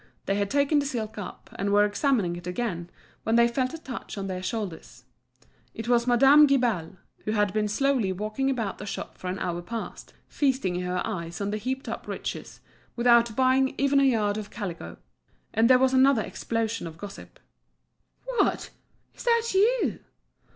They had taken the silk up, and were examining it again, when they felt a touch on their shoulders. It was Madame Guibal, who had been slowly walking about the shop for an hour past, feasting her eyes on the heaped up riches, without buying even a yard of calico. And there was another explosion of gossip. "What! Is that you?"